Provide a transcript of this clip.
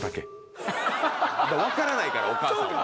分からないからお母さんは。